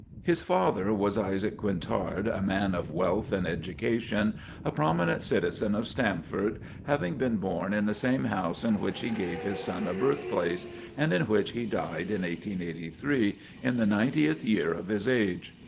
His father was Isaac Quintard, a man of wealth and education, a prominent citizen of Stamford, having been born in the same house in which he gave his son a birthplace, and in which he died in 1883 in the ninetieth year of his age.